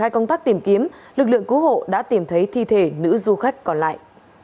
các bộ đã tìm thấy thi thể nữ du khách còn lại